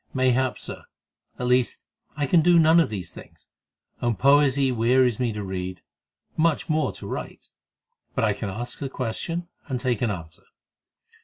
"Mayhap, Sir. At least I can do none of these things, and poesy wearies me to read, much more to write. But I can ask a question and take an answer."